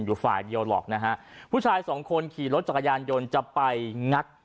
อยู่ฝ่ายเดียวหรอกนะฮะผู้ชายสองคนขี่รถจักรยานยนต์จะไปงัด